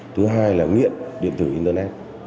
thứ hai là nghiện điện tử internet